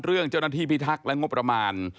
เรื่องเจ้าหน้าที่พิทักษ์และงบประมาณ